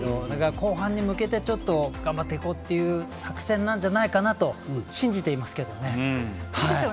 後半に向けて頑張っていこうという作戦なんじゃないかなと信じてますけど。